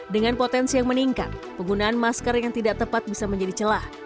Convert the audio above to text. dengan potensi yang meningkat penggunaan masker yang tidak tepat bisa menjadi celah